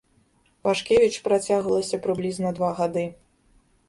Пашкевіч працягвалася прыблізна два гады.